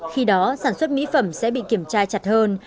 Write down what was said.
khi đó sản xuất mỹ phẩm sẽ bị kiểm tra chặt hơn